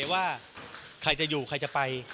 ว่าใครจะอยู่ใครจะไป